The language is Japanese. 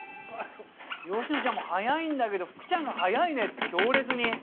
よしのちゃんも早いんだけど福ちゃんが早いね強烈に。